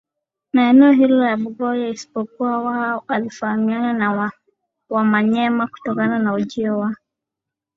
na eneo hilo la Bugoye Ispokuwa Waha walifahamiana na Wamanyema kutokana na ujio wa